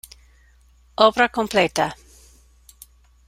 Obra Completa.